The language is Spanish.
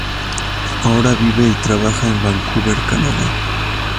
Ahora vive y trabaja en Vancouver, Canadá.